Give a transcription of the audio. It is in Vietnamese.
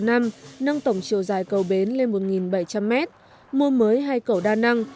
nâng tổng chiều dài cầu bến lên một bảy trăm linh m mua mới hai cầu đa năng